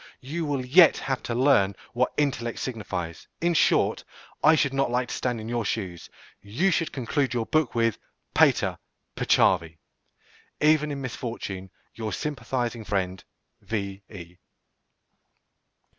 You will yet have to learn what "intellect" signifies. In short, I should not like to stand in your shoes. You should conclude your book with "Pater, peccavi." Even in misfortune, Your sympathizing friend, _V.E.